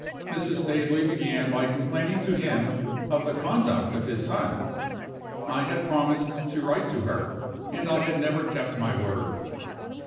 Mrs. Staveley began by complaining to him of the conduct of his son. I had promised to write to her, and I had never kept my word.